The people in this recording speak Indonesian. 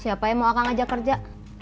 siapa yang mau akan ajak kerja